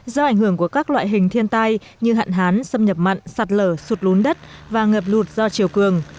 do ảnh hưởng của các loại hình thiên tai như hạn hán xâm nhập mặn sạt lở sụt lún đất và ngập lụt do chiều cường